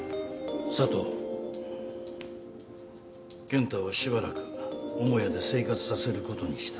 健太はしばらく母屋で生活させることにした。